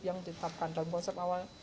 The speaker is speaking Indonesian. yang ditetapkan dalam konsep awal